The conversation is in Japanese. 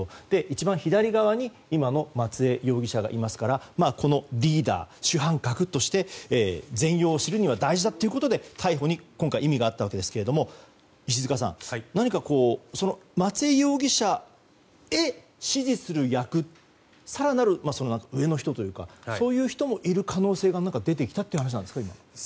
一番左側に松江容疑者がいますからこのリーダー主犯格として、全容を知るには大事だということで逮捕に意味があったわけですが石塚さん何か松江容疑者へ指示する役更なる上の人というかそういう人もいる可能性が出てきたという話なんですか？